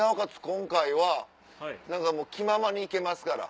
今回は気ままに行けますから。